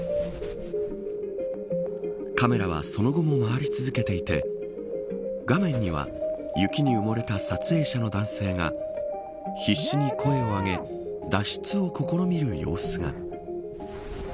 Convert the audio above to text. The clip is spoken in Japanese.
カメラはその後も回り続けていて画面には雪に埋もれた撮影者の男性が必死に声を上げ脱出を試みる様子が。